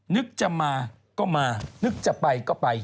นึกจะมาก็มานึกจะไปก็ไป